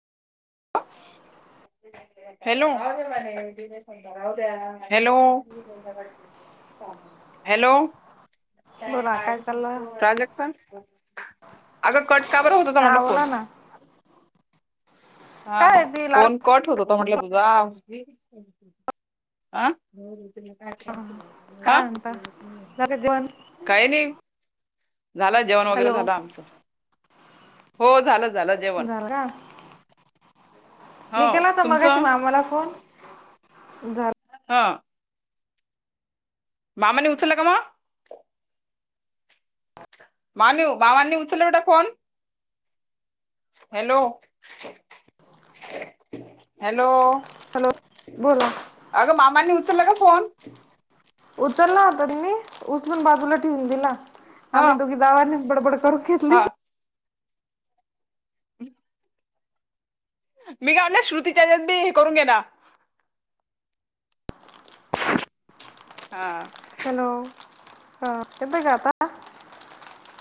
hello hello hello बोला काय चाललं प्राजक्ता अगं कट काबर होतोय तुम्हला हा फोन बोला ना हा काय ती लाड फोन कट होत होता म्हंटलं तुझा आं काय काय म्हणता झालं जेवण काय नाही झाला जेवण वगैरे हॅलो झालं आमचं हो झालं झालं जेवण झाल ग हो मी केला तर मगाशी तुमचं मामाला फोन द हा मामांना उचलला का माय मालू मामांनी उचलला का फोन हॅलो हॅलो हॅलो बोला ला का फोन उचलला तरी मी उचलून बाजूला ठेवून दिला ह आम्ही दोघी गावांनी बडबड फ लि हम् मी का म्हटलं श्रुतीच्याच्याती हे करून घे ना हा हॅलो हा तथ काता